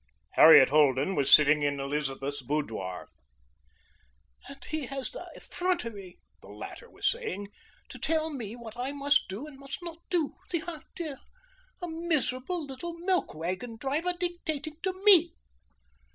Harriet Holden was sitting in Elizabeth's boudoir. "And he had the effrontery," the latter was saying, "to tell me what I must do and must not do! The idea! A miserable little milk wagon driver dictating to me!"